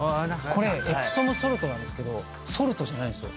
これエプソムソルトなんですけどソルトじゃないんですよ。